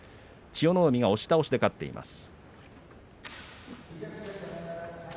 千代の海、押し倒しで勝っています。